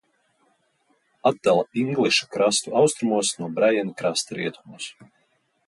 Atdala Ingliša krastu austrumos no Braiena krasta rietumos.